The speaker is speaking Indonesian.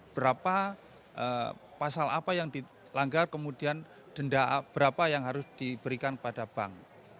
berapa pasal apa yang dilanggar kemudian denda berapa yang harus diberikan kepada bank